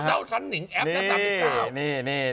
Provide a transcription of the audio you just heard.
เจ้าฉันนิงแอปตั้งแต่ปี๑๙